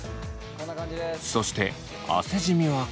そして汗じみはこちら。